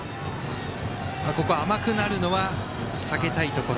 甘くなるのは避けたいところ。